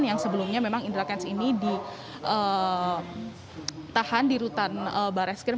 yang sebelumnya memang indra kents ini ditahan di rutan barai skrim